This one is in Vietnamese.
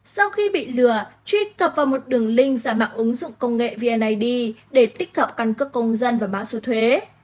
sau khi bị lừa truy cập vào một đường link giả mạo ứng dụng công nghệ vnid để tích hợp căn cước công dân và mã số thuế